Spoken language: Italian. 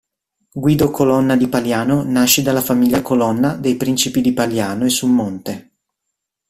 Guido Colonna di Paliano nasce dalla famiglia Colonna dei principi di Paliano e Summonte.